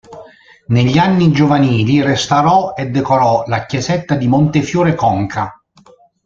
Negli anni giovanili restaurò e decorò la chiesetta di Montefiore Conca.